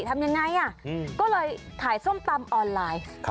ทำยังไงก็เลยขายส้มตำออนไลน์